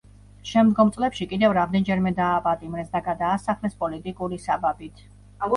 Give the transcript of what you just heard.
შემდგომ წლებში კიდევ რამდენჯერმე დააპატიმრეს და გადაასახლეს პოლიტიკური საბაბით.